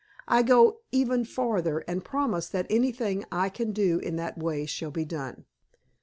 I go even farther, and promise that anything I can do in that way shall be done."